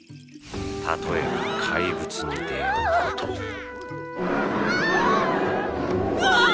例えば怪物に出会うことウワー！